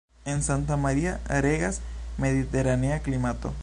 En Santa Maria regas mediteranea klimato.